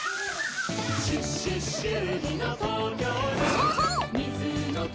そうそう！